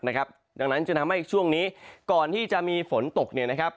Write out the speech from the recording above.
ดังนั้นจะทำให้ช่วงนี้ก่อนที่จะมีฝนตก